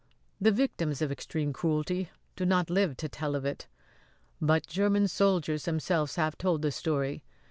The victims of extreme cruelty do not live to tell of it; but German soldiers themselves have told the story.